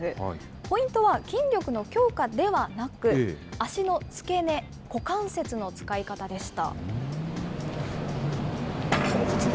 ポイントは筋力の強化ではなく、足の付け根、股関節の使い方でした。